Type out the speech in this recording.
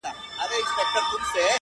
هغه مئین خپل هر ناهیلي پل ته رنگ ورکوي.